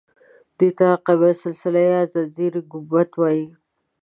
دې ته قبة السلسله یا د زنځیر ګنبده وایي.